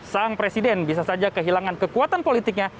sang presiden bisa saja kehilangan kekuatan politiknya